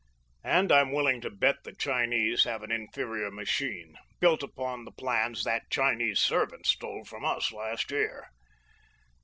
"And I'm willing to bet the Chinese have an inferior machine, built upon the plans that Chinese servant stole from us last year."